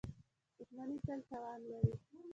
• دښمني تل تاوان لري.